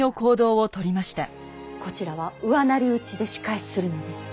こちらは後妻打ちで仕返しするのです。